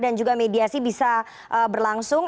agar mediasi bisa berlangsung